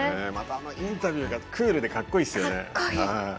またインタビューがクールでかっこいいですね。